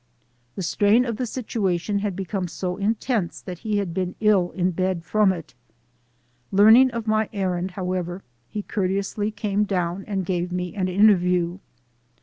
The strain of the situa tion had been so intense that he had been ill in bed from it. Learning of my errand, however, he courteously came down and gave me an interview.